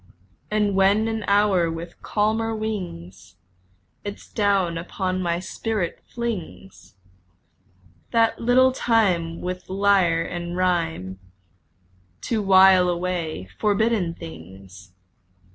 And when an hour with calmer wings Its down upon my spirit flings That little time with lyre and rhyme To while away forbidden things!